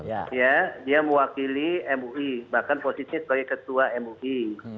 ya dia mewakili mui bahkan posisi sebagai ketua mui